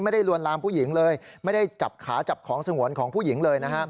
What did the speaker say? ลวนลามผู้หญิงเลยไม่ได้จับขาจับของสงวนของผู้หญิงเลยนะฮะ